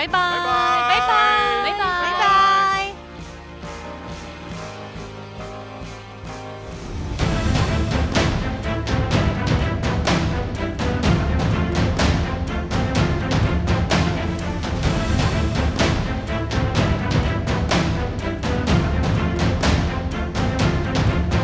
บ๊ายบาย